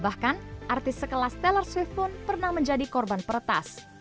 bahkan artis sekelas teller swift pun pernah menjadi korban peretas